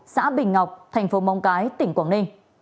xã bình ngọc thành phố móng cái tỉnh quảng ninh